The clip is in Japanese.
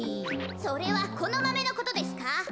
それはこのマメのことですか？